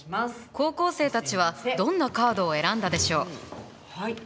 高校生たちはどんなカードを選んだでしょう？